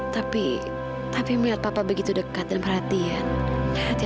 tapi tapi melihat papa berhenti cemburu setiap apa perhatian sama amira